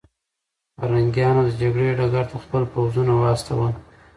پرنګیان د جګړې ډګر ته خپل پوځونه واستول.